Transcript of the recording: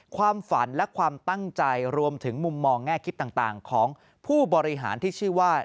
ความฝันและความตั้งใจรวมถึงมุมมองแง่คิดต่างของผู้บริหารที่ชื่อว่า